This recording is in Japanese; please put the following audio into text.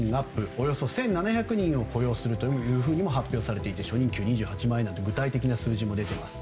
およそ１７００人を雇用すると発表されていて初任給２８万円なんていう具体的な数字が出ています。